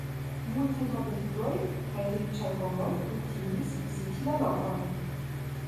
Multaj nobeluloj kaj riĉaj homoj kutimis viziti la lokon.